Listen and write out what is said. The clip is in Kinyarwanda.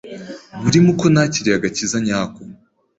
burimo uko nakiriye agakiza nyako